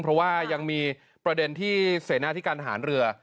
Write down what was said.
เพราะว่ายังมีประเด็นที่เสนาที่การทหารเรือ